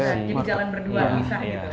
jadi jalan berdua bisa gitu